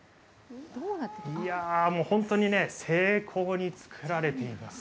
本当に精巧に作られています。